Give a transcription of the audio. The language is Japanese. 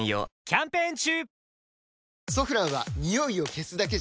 キャンペーン中！